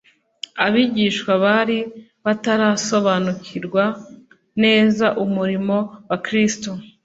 Abigishwa bari batarasobariukirwa neza umurimo wa Kristo.